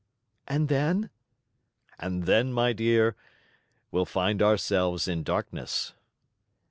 "And then?" "And then, my dear, we'll find ourselves in darkness."